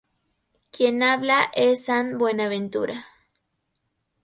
Quien habla es san Buenaventura.